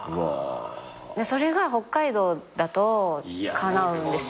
それが北海道だとかなうんですよ。